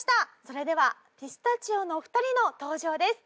それではピスタチオのお二人の登場です。